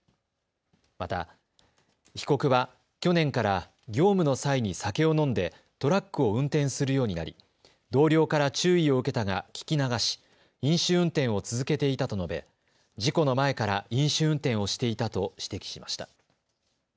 また被告は去年から業務の際に酒を飲んでトラックを運転するようになり同僚から注意を受けたが聞き流し、飲酒運転を続けていたと述べ事故の前から飲酒運転をしていたと指摘しました。